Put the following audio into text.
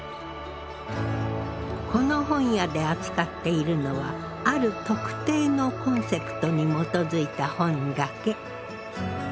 この本屋で扱っているのはある特定のコンセプトに基づいた本だけ。